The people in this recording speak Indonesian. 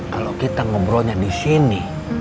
kalau kita ngobrolnya disini